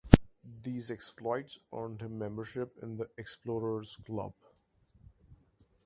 These exploits earned him membership in The Explorers Club.